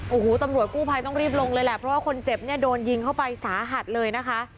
โอ้โหตำรวจกู้ภัยต้องรีบลงเลยแหละเพราะว่าคนเจ็บเนี่ยโดนยิงเข้าไปสาหัสเลยนะคะ